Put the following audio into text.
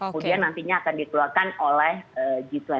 kemudian nantinya akan dikeluarkan oleh g dua puluh